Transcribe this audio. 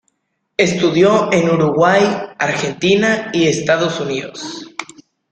Estudió en Uruguay, Argentina y Estados Unidos.